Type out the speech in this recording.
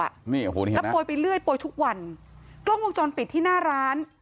แล้วโปรยไปเรื่อยโปรยทุกวันกล้องวงจรปิดที่หน้าร้าน